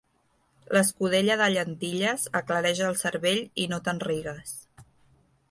L'escudella de llentilles aclareix el cervell i no te'n rigues.